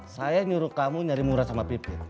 saya nyuruh kamu nyari murah sama pipit